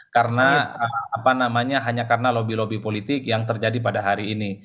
karena apa namanya hanya karena lobby lobby politik yang terjadi pada hari ini